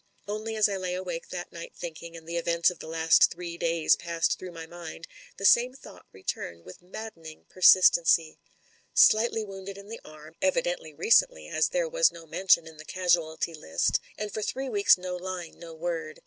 Only as I lay awake that night thinking, and the events of the last three weeks passed through my mind, the same thought returned with maddening persistency. Slightly wounded in the arm, evidently recently as there was no mention in the casualty list, and for three weeks no line, no word.